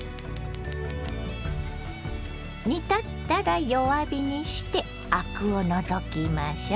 煮立ったら弱火にしてアクを除きましょう。